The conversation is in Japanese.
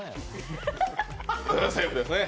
セーフですね。